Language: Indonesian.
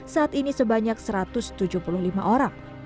saat ini sebanyak satu ratus tujuh puluh lima orang